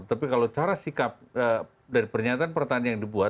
tapi kalau cara sikap dari pernyataan pernyataan yang dibuat